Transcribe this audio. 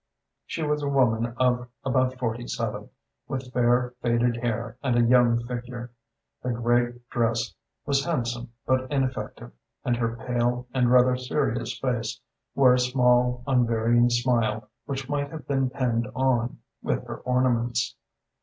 She was a woman of about forty seven, with fair faded hair and a young figure. Her gray dress was handsome but ineffective, and her pale and rather serious face wore a small unvarying smile which might have been pinned on with her ornaments.